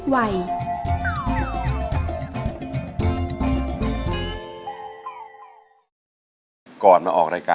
รายการต่อไปนี้เป็นรายการทั่วไปสามารถรับชมได้ทุกวัย